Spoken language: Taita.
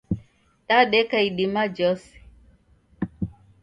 Dadeka idima jhose.